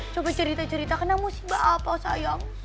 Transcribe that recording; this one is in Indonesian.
coba cerita cerita kena musibah apel sayang